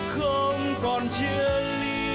không còn chia ly